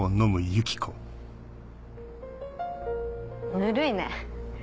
ぬるいね。